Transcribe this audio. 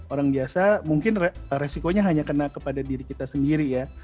orang biasa mungkin resikonya hanya kena kepada diri kita sendiri ya